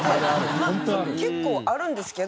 まあ結構あるんですけど。